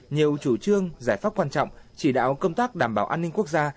nhiều chủ trương giải pháp quan trọng chỉ đạo công tác đảm bảo an ninh quốc gia